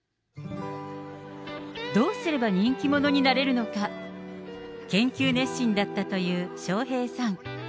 どうすれば人気者になれるのか、研究熱心だったという笑瓶さん。